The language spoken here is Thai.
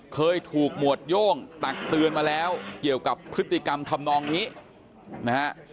เคยถูกหมวดโย่งตักเตือนมาแล้วเกี่ยวกับพฤติกรรมทำนองนี้นะฮะ